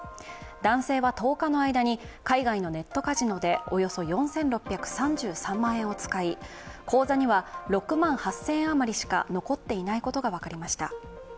男性は１０日の間に海外のネットカジノでおよそ４６３３万円を使い、口座には６万８０００円あまりしか残っていないことが分かりました。